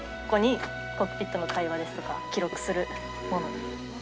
ここにコックピットの会話ですとか記録するもの。